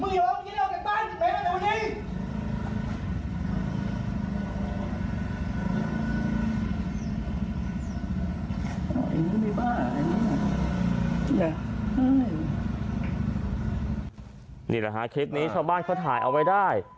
นี่แหละฮะคลิปนี้ชาวบ้านเขาถ่ายเอาไว้ได้